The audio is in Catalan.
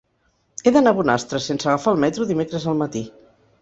He d'anar a Bonastre sense agafar el metro dimecres al matí.